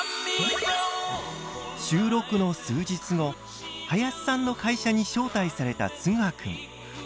収録の数日後林さんの会社に招待されたつぐはくん。